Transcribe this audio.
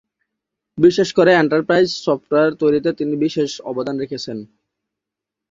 বিশেষ করে enterprise software তৈরিতে তিনি বিশেষ অবদান রেখেছেন।